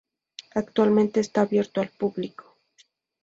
Actualmente está abierto al público.